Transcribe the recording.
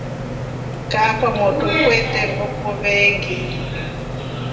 Kaa kwamotru kwetre nguku veengi.